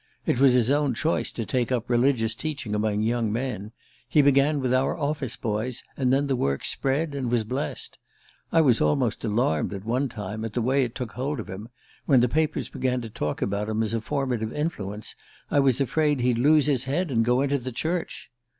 It was his own choice to take up religious teaching among young men. He began with our office boys, and then the work spread and was blessed. I was almost alarmed, at one time, at the way it took hold of him: when the papers began to talk about him as a formative influence I was afraid he'd lose his head and go into the church.